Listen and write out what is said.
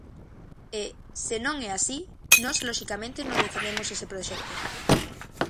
E, se non é así, nós loxicamente non defendemos ese proxecto.